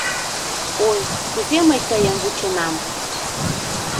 Ой, кузе мый тыйым вученам!